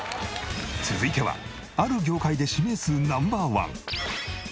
続いてはある業界で指名数Ｎｏ．１。